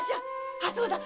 あそうだ！